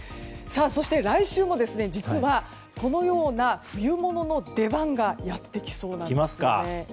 そして来週も実はこのような冬物の出番がやってきそうなんですね。